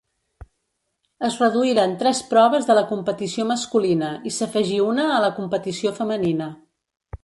Es reduïren tres proves de la competició masculina i s'afegí una a la competició femenina.